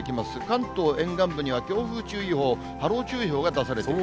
関東沿岸部には強風注意報、波浪注意報が出されている。